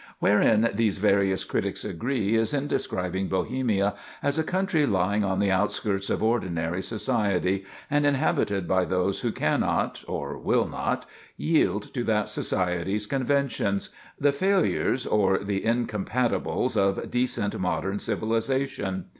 Wherein these various critics agree, is in describing Bohemia as a country lying on the outskirts of ordinary society, and inhabited by those who cannot, or will not, yield to that society's conventions—the failures or the incompatibles of decent modern civilization.